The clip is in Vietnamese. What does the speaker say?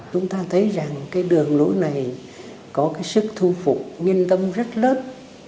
chúng ta thấy rằng cái đường lối này có cái sức thu phục nguyên tâm rất lớp